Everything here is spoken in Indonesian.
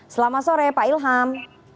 selamat sore pak ilham